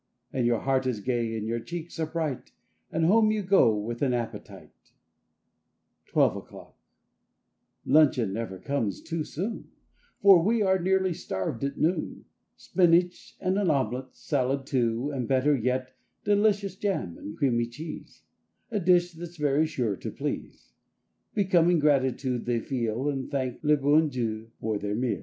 And your heart is gay and your cheeks are bright— And home you go with an appetite! 21 ELEVEN O'CLOCK 23 TWELVE O'CLOCK 1 UNCHEON never comes too soon, J Eor we are nearly starved at noon! Spinach and an omelette, Salad, too, and better yet Delicious jam with creamy cheese— A dish that's very sure to please! Becoming gratitude they feel. And thank le bon Dieii for their meal.